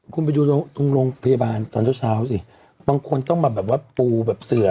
คุณไปดูโรงพยาบาลตอนเท่าสิบางคนต้องมาแบบว่าปูเสื่อ